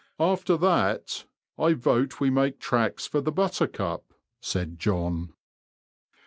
'' After that, I vote we make 'tracks for the Buttercup," said John.